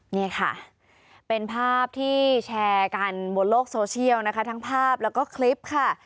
นี่ค่ะเป็นภาพที่แชร์กันบนโลกโซเชียลนะคะทั้งภาพแล้วก็คลิปค่ะ